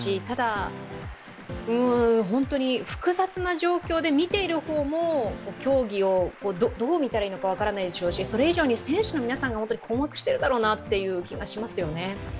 ただ、本当に複雑な状況で、見ている方も競技をどう見たらいいのか分からないでしょうしそれ以上に選手の皆さんが困惑しているだろうなという気がしますよね。